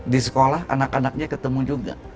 di sekolah anak anaknya ketemu juga